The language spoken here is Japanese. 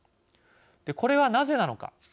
これは、なぜなのか。